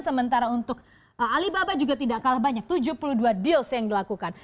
sementara untuk alibaba juga tidak kalah banyak tujuh puluh dua deals yang dilakukan